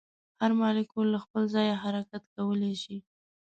هر مالیکول له خپل ځایه حرکت کولی شي.